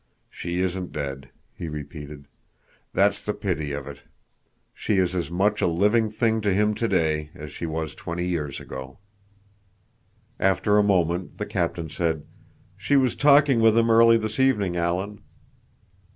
"She isn't dead," he repeated. "That's the pity of it. She is as much a living thing to him today as she was twenty years ago." After a moment the captain said, "She was talking with him early this evening, Alan."